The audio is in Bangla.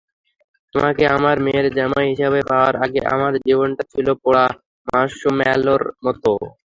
তোমাকে আমার মেয়ের জামাই হিসেবে পাওয়ার আগে, আমার জীবনটা ছিলো পোড়া মার্শম্যালোর মতো।